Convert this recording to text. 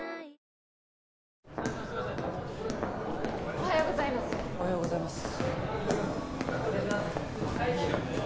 おはようございますおはようございます